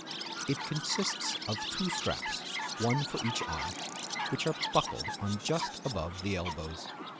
It consists of two straps, one for each arm, which are buckled on just above the elbows.